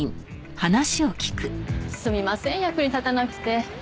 すみません役に立たなくて。